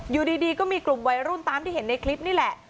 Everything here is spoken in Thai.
อยู่ดีก็มีกลุ่มวัยรุ่นตามที่เห็นในคลิปนี่แหละ